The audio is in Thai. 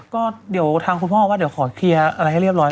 ก็เดี๋ยวทางคุณพ่อว่าเดี๋ยวขอเคลียร์อะไรให้เรียบร้อย